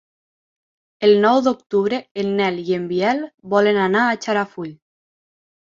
El nou d'octubre en Nel i en Biel volen anar a Xarafull.